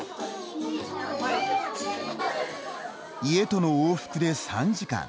家との往復で３時間。